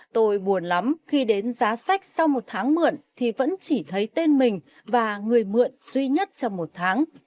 tôi buồn lắm khi đến giá sách sau một tháng mượn thì vẫn chỉ thấy tên mình và người mượn duy nhất trong một tháng